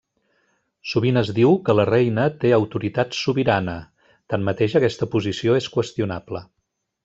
Sovint es diu que la Reina té autoritat sobirana, tanmateix aquesta posició és qüestionable.